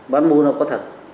bán mua nó có thật